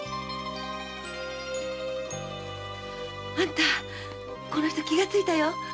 あんたこの人気がついたよ。